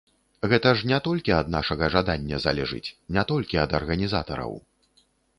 Гэта ж не толькі ад нашага жадання залежыць, не толькі ад арганізатараў.